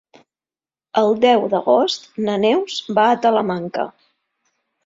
El deu d'agost na Neus va a Talamanca.